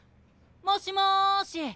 もしもし。